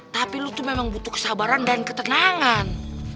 tapi lo tuh memang butuh kesabaran dan ketenangan